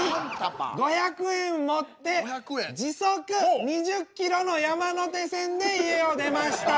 ５００円持って時速２０ｋｍの山手線で家を出ました。